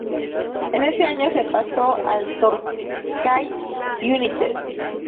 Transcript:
En ese año se pasó al Torquay United.